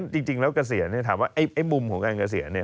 จริงแล้วเกษียณถามว่าไอ้มุมของการเกษียณเนี่ย